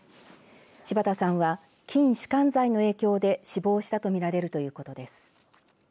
柴田さんは、筋しかん剤の影響で死亡したとみられるということです。